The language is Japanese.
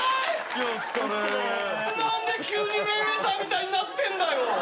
何で急にメイウェザーみたいになってんだよ！